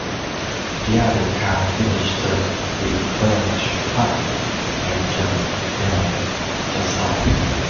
The other car finished third with Vern Schuppan and Jean-Pierre Jaussaud.